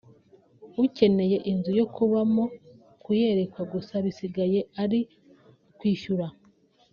ukeneye inzu yo kubamo kuyerekwa gusa bisigaye ari ukwishyura